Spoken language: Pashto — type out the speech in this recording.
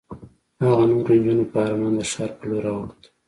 هغه نورو نجونو په ارمان د ښار په لور را وکتل.